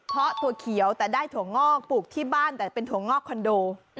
เพราะถั่วเขียวแต่ได้ถั่วงอกปลูกที่บ้านแต่เป็นถั่วงอกคอนโด